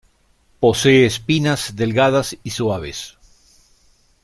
Posee espinas delgadas y suaves.